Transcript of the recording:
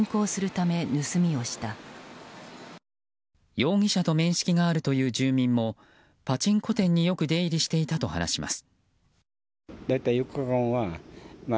容疑者と面識があるという住民もパチンコ店によく出入りしていたと話します。